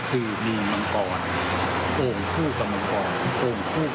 ก็คือมีมังกรโอ่งคู่กับมังกรโอ่งคู่กับสัญลักษณ์กันบรรทุยนะครับ